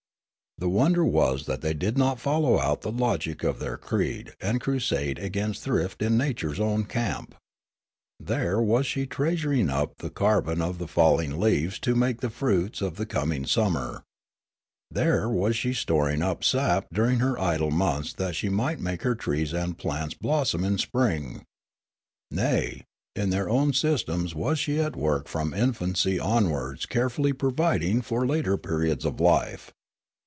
The wonder was that they did not follow out the logic of their creed and crusade against thrift in Nature's own camp. There was she treasuring up the carbon 262 Riallaro of the falling leaves to make the fruits of the coming summer. There was she storing up sap during her idle months that she might make her trees and plants blos som in spring. Naj , in their own systems was she at work from infancy onwards carefully providing for later periods of life.